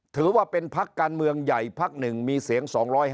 ถือว่าเป็นพักการเมืองใหญ่พักหนึ่งมีเสียง๒๕